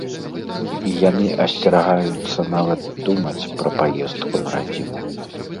І яны асцерагаюцца нават думаць пра паездку на радзіму.